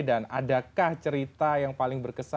dan adakah cerita yang paling berkenaan